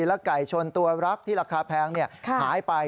และไก่ชนตัวรักที่ราคาแพงหายไป